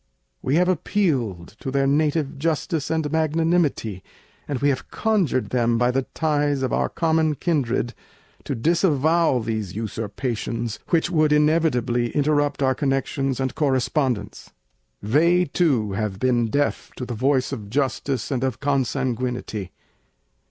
We have appealed to their native justice and magnanimity, and we have conjured them by the ties of our common kindred to disavow these usurpations, which would inevitably interrupt our connections and correspondence. They too have been deaf to the voice of justice and of consanguinity.